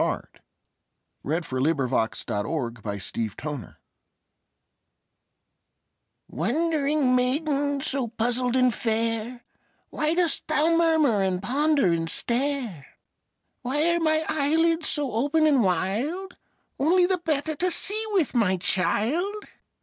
WHAT THE WOLF REALLY SAID TO LITTLE RED RIDING HOOD Wondering maiden, so puzzled and fair, Why dost thou murmur and ponder and stare? "Why are my eyelids so open and wild?" Only the better to see with, my child!